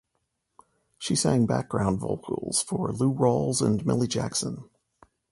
She sang background vocals for Lou Rawls and Millie Jackson.